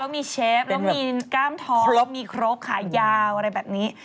มีเชฟแล้วมีกล้ามท้องครบมีครบขายาวอะไรแบบนี้